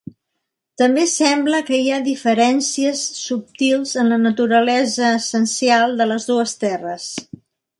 També sembla que hi ha diferències subtils en la naturalesa essencial de les dues terres.